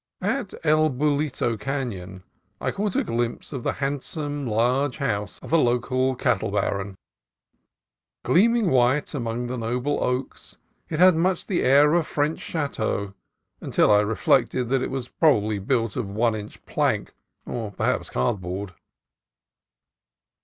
At El Bulito Canon I caught a glimpse of the handsome large house of a local cattle baron. Gleam ing white among noble oaks, it had much the air of a French chateau until I reflected that it was prob ably built of one inch plank, or perhaps cardboard.